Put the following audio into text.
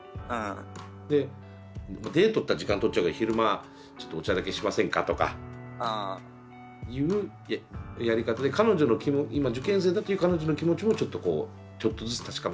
でデートって言ったら時間取っちゃうから「昼間ちょっとお茶だけしませんか」とかいうやり方で彼女の今受験生だっていう彼女の気持ちもちょっとこうちょっとずつ確かめたら？